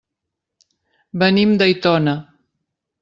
Venim d'Aitona.